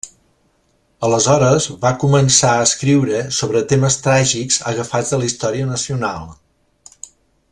Aleshores van començar a escriure sobre temes tràgics agafats de la història nacional.